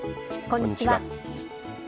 こんにちは。